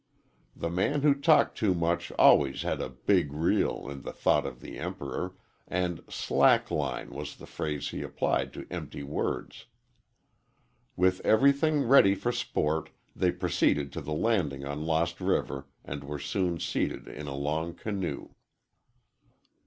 The man who talked too much always had a "big reel," in the thought of the Emperor, and "slack line" was the phrase he applied to empty words. With everything ready for sport, they proceeded to the landing on Lost River and were soon seated in a long canoe.